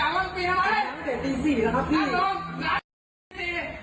เรักด้าร้านหญิง